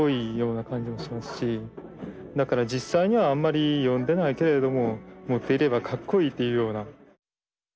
だから実際にはあんまり読んでないけれども持っていればかっこいいというような。